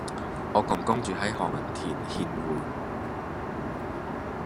我公公住喺何文田懿薈